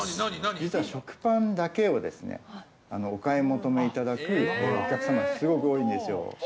実は食パンだけをお買い求めいただくお客様すごく多いんですよ。